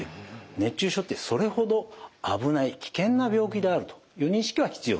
熱中症ってそれほど危ない危険な病気であるという認識は必要です。